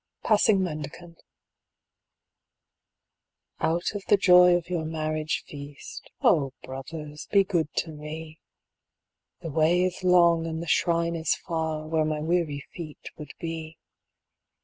Passing Mendicant Out of the joy of your marriage feast. Oh, brothers, be good to me. The way is long and the Shrine is far. Where my weary feet would be.